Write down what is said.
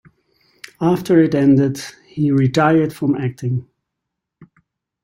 After it ended he retired from acting.